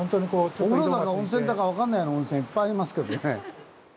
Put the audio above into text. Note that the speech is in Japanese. お風呂だか温泉だか分かんないような温泉いっぱいありますけどね。